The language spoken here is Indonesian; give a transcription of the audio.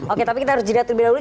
oke tapi kita harus jelatuh dulu